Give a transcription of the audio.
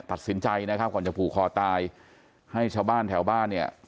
ตัดสินใจนะครับก่อนจะผูกคอตายให้ชาวบ้านแถวบ้านเนี่ย